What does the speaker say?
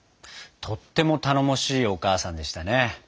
とっても頼もしいお母さんでしたね。